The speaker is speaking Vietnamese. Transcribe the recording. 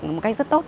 một cách rất tốt